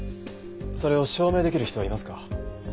それを証明できる人はいますか？